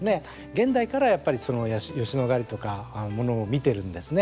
現代から、やっぱり吉野ヶ里とかものを見てるんですね。